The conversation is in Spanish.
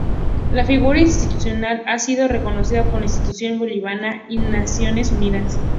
La figura institucional ha sido reconocida por la Constitución Boliviana y las Naciones Unidas.